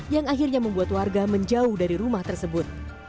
yang akhirnya membuat warga menjauh dari rumah tersebut